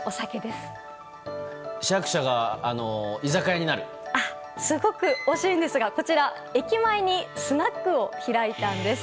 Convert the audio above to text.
すごく惜しいんですが駅前にスナックを開いたんです。